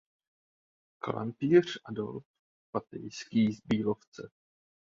klempíř Adolf Pateiský z Bílovce